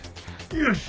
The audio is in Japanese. よし！